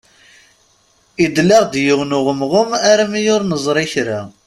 Idel-aɣ-d yiwen uɣemɣum armi ur nẓerr kra.